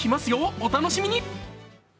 お楽しみに。